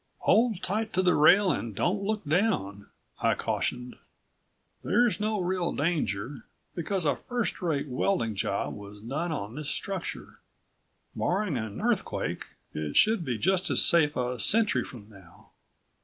"Hold tight to the rail and don't look down," I cautioned. "There's no real danger ... because a first rate welding job was done on this structure. Barring an earthquake, it should be just as safe a century from now."